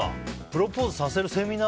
プロポーズさせる